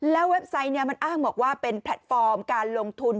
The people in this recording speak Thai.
เว็บไซต์มันอ้างบอกว่าเป็นแพลตฟอร์มการลงทุน